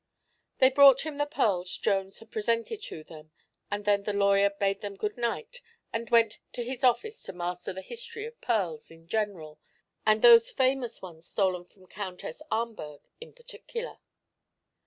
They brought him the pearls Jones had presented to them and then the lawyer bade them good night and went to his office to master the history of pearls in general and those famous ones stolen from Countess Ahmberg in particular.